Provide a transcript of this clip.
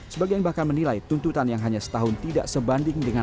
sebagian bahkan menilai tuntutan yang hanya setahun tidak sebanding dengan